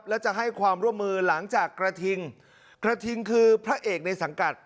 และจะให้ความร่วมมือหลังจากกระทิงกระทิงคือพระเอกในสังกัด